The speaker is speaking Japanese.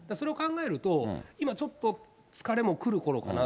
それを考えると、今、ちょっと疲れも来るころかなと。